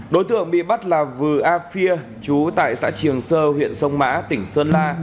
đối tượng bị bắt là vư afia chú tại xã triềng sơ huyện sông mã tỉnh sơn la